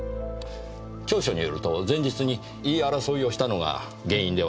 調書によると前日に言い争いをしたのが原因ではないかとありますねぇ。